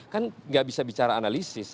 kan nggak bisa bicara analisis